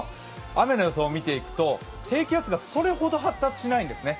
雨の予想を見ていくと低気圧がそれほど発達しないんですね。